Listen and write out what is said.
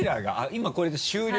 今これで終了？